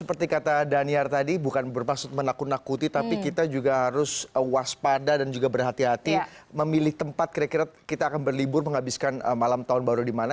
seperti kata daniar tadi bukan bermaksud menakut nakuti tapi kita juga harus waspada dan juga berhati hati memilih tempat kira kira kita akan berlibur menghabiskan malam tahun baru di mana